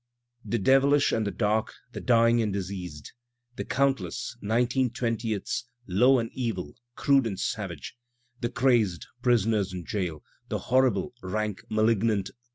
] The devilish and the dark, the dying and diseas'd. The countless (nineteen twentieths) low and evil, crude and savage. The crazed, prisoners in jail, the horrible, rank, malignant.